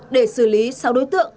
để xử lý sáu đối tượng